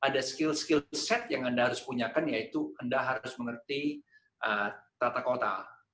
ada skill skill set yang anda harus punyakan yaitu anda harus mengerti tata kota